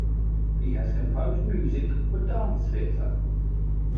He has composed music for dance theatre.